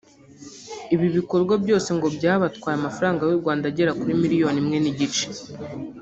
Ibi bikorwa byose ngo byabatwaye amafaranga y’u Rwanda agera kuri miliyoni imwe n’igice